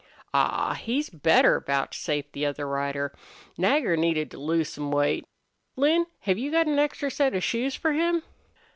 "Aw, he's better," vouchsafed the other rider. "Nagger needed to lose some weight. Lin, have you got an extra set of shoes for him?"